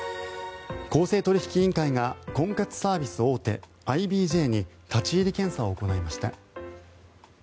公正取引委員会が婚活サービス大手ＩＢＪに立ち入り検査を行いました。